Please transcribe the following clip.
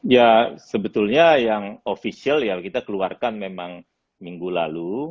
ya sebetulnya yang official ya kita keluarkan memang minggu lalu